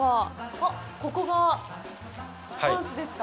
あっ、ここがハウスですか？